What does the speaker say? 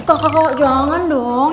eh kakak jangan dong